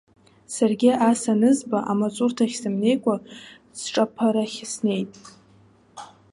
Саргьы ас анызба, амаҵурҭахь сымнеикәа сҿаԥарахь снеит.